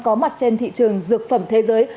có mặt trên thị trường dược phẩm thế giới